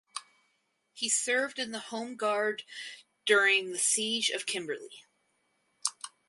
He served in the Home Guard during the Siege of Kimberley.